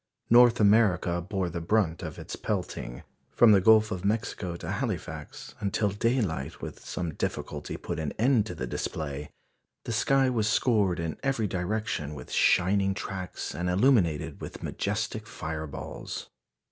North America bore the brunt of its pelting. From the Gulf of Mexico to Halifax, until daylight with some difficulty put an end to the display, the sky was scored in every direction with shining tracks and illuminated with majestic fireballs.